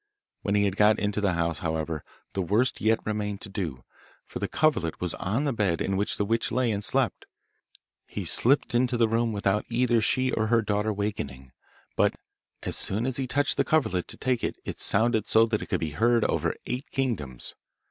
When he had got into the house, however, the worst yet remained to do, for the coverlet was on the bed in which the witch lay and slept. He slipped into the room without either she or her daughter wakening; but as soon as he touched the coverlet to take it it sounded so that it could be heard over eight kingdoms.